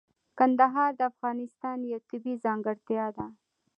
کندهار د افغانستان یوه طبیعي ځانګړتیا ده.